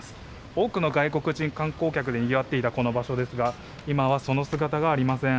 多くの外国人観光客でにぎわっていたこの場所ですが、今はその姿がありません。